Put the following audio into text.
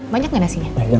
banyak gak nasinya